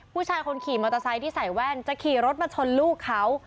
ผู้ชายคนขี่มอเตอร์ไซค์ที่ใส่แว่นจะขี่รถมาชนลูกเขา